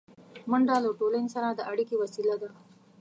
منډه له ټولنې سره د اړیکې وسیله ده